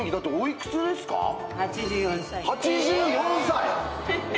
８４歳。